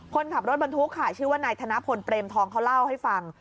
คนขับรถบรรทุกค่ะชื่อว่านายธนพลเปรมทองเขาเล่าให้ฟัง